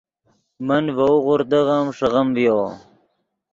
من ڤؤ غوردغیم ݰیغیم ڤیو